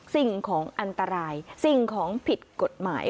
สิ่งของอันตรายสิ่งของผิดกฎหมาย